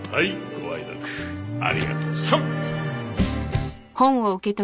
ご愛読ありがとさん。